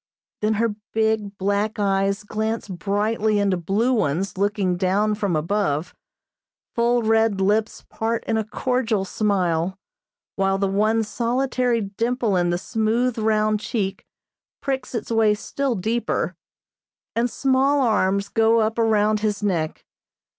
Then her big, black eyes glance brightly into blue ones looking down from above, full red lips part in a cordial smile, while the one solitary dimple in the smooth, round cheek pricks its way still deeper, and small arms go up around his neck.